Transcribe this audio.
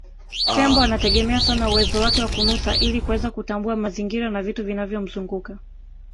Tembo anategemea sana uwezo wake wa kunusa ili kuweza kutambua mazingira na vitu vinavyomzunguka